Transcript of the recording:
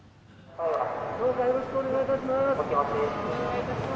どうかよろしくお願いします。